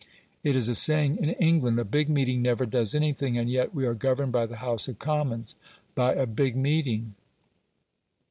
It is a saying in England, "a big meeting never does anything"; and yet we are governed by the House of Commons by "a big meeting".